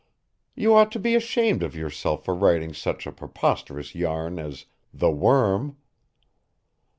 "You ought to be ashamed of yourself for writing such a preposterous yarn as 'The Worm'."